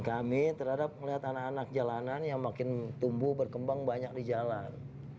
kami terhadap melihat anak anak jalanan yang makin tumbuh berkembang banyak di jalan